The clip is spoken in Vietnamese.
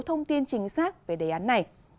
thông tin chính xác về đề án này